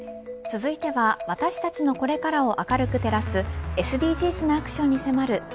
続いては、私たちのこれからを明るく照らすＳＤＧｓなアクションに迫る＃